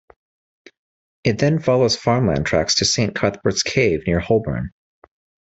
It then follows farmland tracks to Saint Cuthbert's Cave near Holburn.